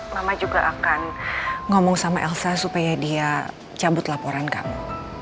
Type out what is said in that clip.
mama juga akan ngomong sama elsa supaya dia cabut laporan kamu